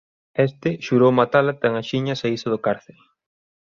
Este xurou matala tan axiña saíse do cárcere.